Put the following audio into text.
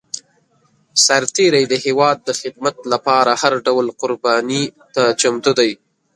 سرتېری د هېواد د خدمت لپاره هر ډول قرباني ته چمتو دی.